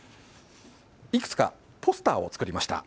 いくつかポスターを作りました。